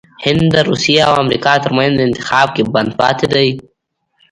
هند دروسیه او امریکا ترمنځ انتخاب کې بند پاتې دی😱